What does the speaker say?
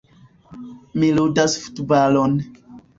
Mi ludas futbalon.